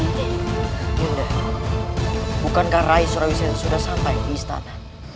yunda bukankah rai surawisesa sudah sampai di istana